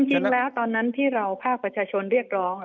จริงแล้วตอนนั้นที่เราภาคประชาชนเรียกร้อง